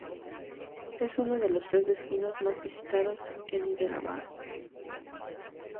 Es uno de los tres destinos más visitados en Hyderabad.